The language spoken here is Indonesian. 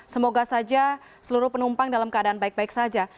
semoga saja seluruh penumpang dalam keadaan baik baik saja